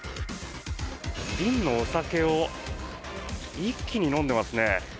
瓶のお酒を一気に飲んでますね。